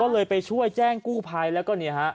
ก็เลยไปช่วยแจ้งกู้ภัยแล้วก็เนี่ยฮะ